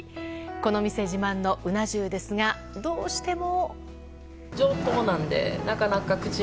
この店自慢のうな重ですがどうしても。